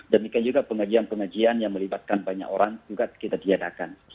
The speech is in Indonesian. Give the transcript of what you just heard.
dan juga pengajian pengajian yang melibatkan banyak orang juga kita tiadakan